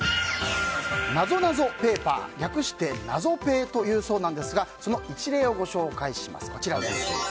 「なぞなぞペーパー」略して「なぞペー」というそうですがその一例をご紹介します。